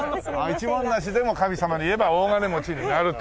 一文無しでも神様に言えば大金持ちになるという。